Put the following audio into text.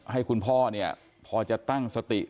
ให้คุณพ่อเนี่ยพอจะตั้งสติ